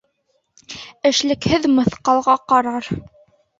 Эшлекһеҙ мыҫҡалға ҡарар.